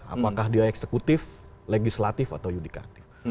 apakah dia eksekutif legislatif atau yudikatif